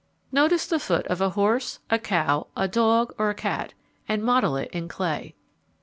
_ _Notice the foot of a horse, a cow, a dog, or a cat, and model it in clay.